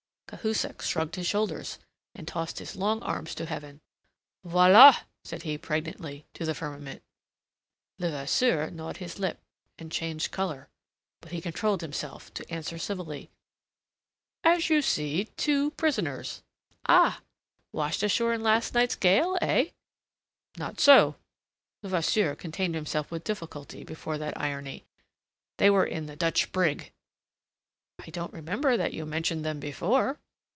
Cahusac shrugged his shoulders, and tossed his long arms to heaven. "Voila!" said he, pregnantly, to the firmament. Levasseur gnawed his lip, and changed colour. But he controlled himself to answer civilly: "As you see, two prisoners." "Ah! Washed ashore in last night's gale, eh?" "Not so." Levasseur contained himself with difficulty before that irony. "They were in the Dutch brig." "I don't remember that you mentioned them before."